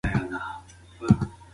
د مرګ انتظار د یوې تندې په څېر و.